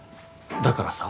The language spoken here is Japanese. だからさ。